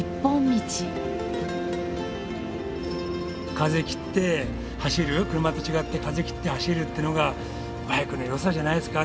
風切って走る車と違って風切って走るってのがバイクの良さじゃないですか。